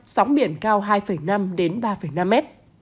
sóng biển cao hai năm ba năm m